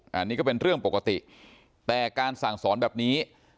อันนี้ก็เป็นเรื่องปกติแต่การสั่งสอนแบบนี้